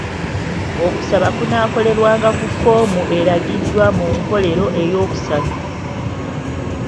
Okusaba kunaakolerwanga ku foomu eragiddwa mu nkookero ey'okusatu.